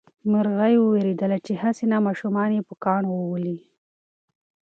مرغۍ وېرېدله چې هسې نه ماشومان یې په کاڼو وولي.